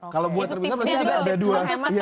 kalau buat terpisah berarti sudah ada dua